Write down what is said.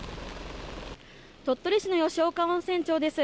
鳥取市の吉岡温泉町です。